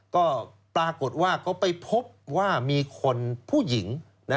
ก็ปรากฏว่าเขาไปพบว่ามีคนผู้หญิง